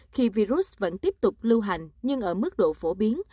khi virus vẫn tiếp tục lưu hành nhưng ở mức độ phổ biến